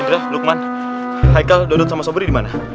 indra lukman haikal dodot dan sobri dimana